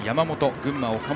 群馬、岡本。